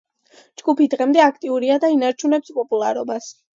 ჯგუფი დღემდე აქტიურია და ინარჩუნებს პოპულარობას.